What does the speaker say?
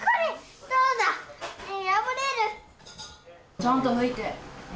ちゃんと拭いて。